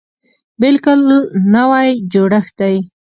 بلکل نوی جوړښت دی.